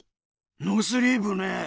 ノースリーブね。